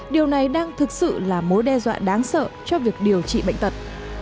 điều này đang thực sự là mối đe dọa đáng sợ cho việc điều trị bệnh tật